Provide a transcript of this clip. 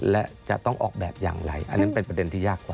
และจะต้องออกแบบอย่างไรอันนั้นเป็นประเด็นที่ยากกว่า